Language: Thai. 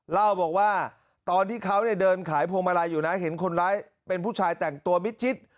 เล่าบอกว่าตอนที่เขาเนี่ยเดินขายพวงมาลัยอยู่นะเห็นคนร้ายเป็นผู้ชายแต่งตัวมิดชิด